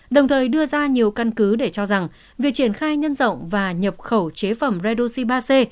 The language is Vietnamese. đồng thời đưa ra nhiều căn cứ để cho rằng việc triển khai nhân rộng và nhập khẩu chế phẩm redoxi ba c